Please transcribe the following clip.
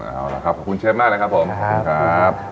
เอาล่ะครับขอบคุณเชฟมากนะครับผมขอบคุณครับ